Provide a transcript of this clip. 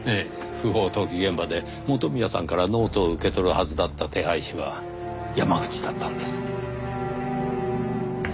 不法投棄現場で元宮さんからノートを受け取るはずだった手配師は山口だったんです。